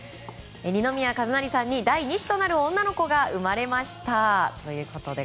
二宮和也さんに第２子となる女の子が生まれました。